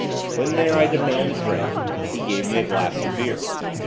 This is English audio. When there I demanded drink; he gave me a glass of beer.